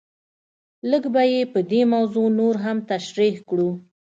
لږ به یې په دې موضوع نور هم تشریح کړو.